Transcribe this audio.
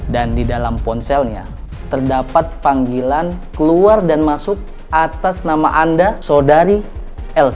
dan di dalam ponselnya terdapat panggilan keluar dan masuk atas nama anda sodari elsa